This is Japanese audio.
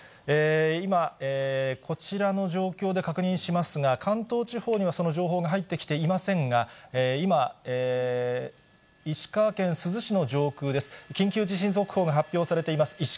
今、こちらの状況で確認しますが、関東地方にその情報が入ってきていませんが、今、石川県珠洲市の情報です。